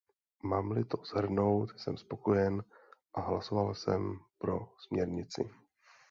Mám-li to shrnout, jsem spokojen a hlasoval jsem pro směrnici.